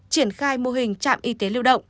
triển khai mô hình trạm y tế lưu động